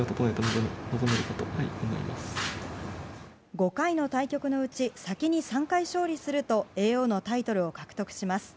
５回の対局のうち先に３回勝利すると叡王のタイトルを獲得します。